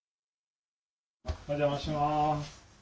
お邪魔します。